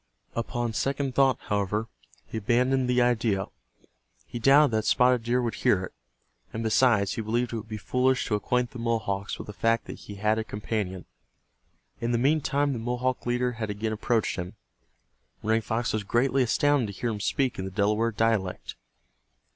Upon second thought, however, he abandoned the idea. He doubted that Spotted Deer would hear it, and besides, he believed it would be foolish to acquaint the Mohawks with the fact that he had a companion. In the meantime the Mohawk leader had again approached him. Running Fox was greatly astounded to hear him speak in the Delaware dialect.